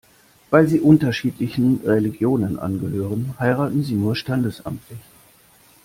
Weil sie unterschiedlichen Religionen angehören, heiraten sie nur standesamtlich.